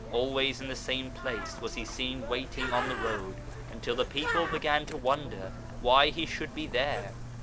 Always in the same place was he seen waiting on the road, until the people began to wonder why he should be there.